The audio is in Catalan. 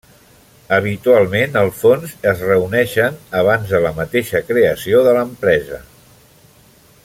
Habitualment els fons es reuneixen abans de la mateixa creació de l'empresa.